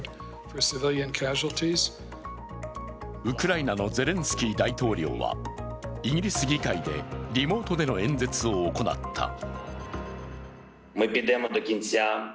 ウクライナのゼレンスキー大統領はイギリス議会でリモートでの演説を行った。